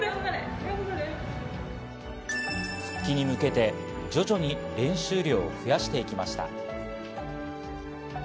復帰に向けて徐々に練習量も増やしていきました。